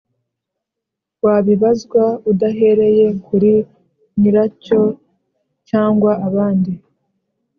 wabibazwa udahereye kuri nyiracyocyangwa abandi